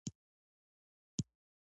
ستا په ځنډ کې زموږ خير دی.